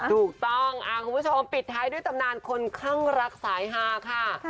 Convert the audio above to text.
ถูกต้องคุณผู้ชมปิดท้ายด้วยตำนานคนคลั่งรักสายฮาค่ะ